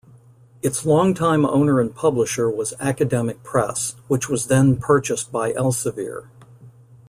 Its longtime owner and publisher was Academic Press, which was then purchased by Elsevier.